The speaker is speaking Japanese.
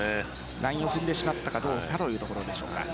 ラインを踏んでしまったかどうかというところです。